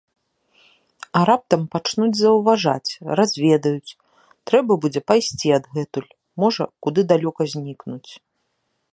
А раптам пачнуць заўважаць, разведаюць, трэба будзе пайсці адгэтуль, можа, куды далёка знікнуць.